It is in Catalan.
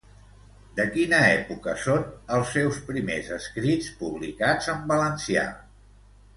De quina època són els seus primers escrits publicats en valencià?